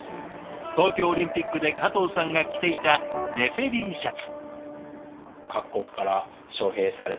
東京オリンピックで加藤さんが着ていたレフェリーシャツ。